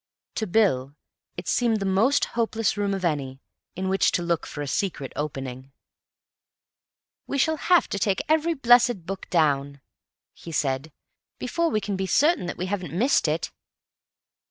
To Bill it seemed the most hopeless room of any in which to look for a secret opening. "We shall have to take every blessed book down," he said, "before we can be certain that we haven't missed it."